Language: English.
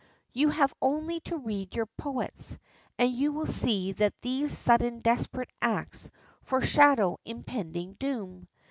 You have only to read your poets, and you will see that these sudden desperate acts foreshadow impending doom.